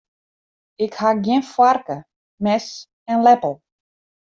Ik ha gjin foarke, mes en leppel.